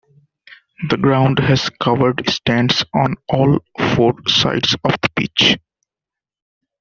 The ground has covered stands on all four sides of the pitch.